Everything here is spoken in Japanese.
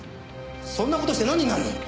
そんな事してなんになる？